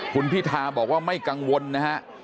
คุณพิธาบอกว่าไม่กังวลนะฮะ